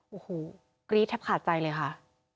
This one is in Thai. โอ้โหกรี๊ดแทบขาดใจเลยค่ะ